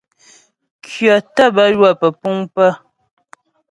Kyə̀ tə́ bə ywə pə́puŋ pə̀.